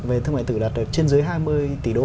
về thương mại yên tử đạt được trên dưới hai mươi tỷ đô